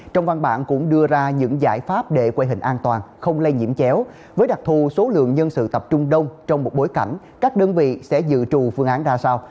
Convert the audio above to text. trong văn bản cũng đưa ra những giải pháp để quê hình an toàn không lây nhiễm chéo với đặc thù số lượng nhân sự tập trung đông trong một bối cảnh các đơn vị sẽ dự trù phương án ra sao